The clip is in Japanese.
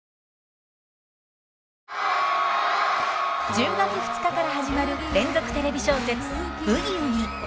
１０月２日から始まる連続テレビ小説「ブギウギ」。